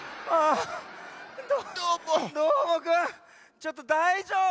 ちょっとだいじょうぶ？